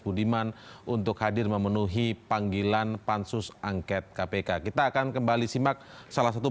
budiman untuk hadir memenuhi panggilan pansus angket kpk kita akan kembali simak salah satu